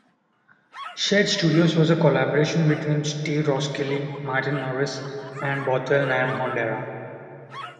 Shed Studios was a collaboration between Steve Roskilly, Martin Norris and Bothwell Nyamhondera.